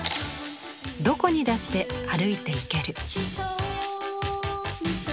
どこにだって歩いて行ける。